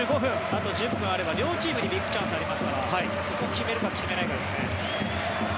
あと１０分あれば両チームにビッグチャンスがありますからそこを決めるか決めないかですね。